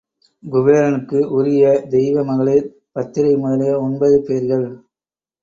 குபேரனுக்கு உரிய தெய்வ மகளிர் பத்திரை முதலிய ஒன்பது பேர்கள்.